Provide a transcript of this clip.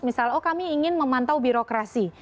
misal oh kami ingin memantau birokrasi